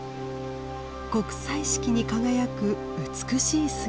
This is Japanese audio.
極彩色に輝く美しい姿。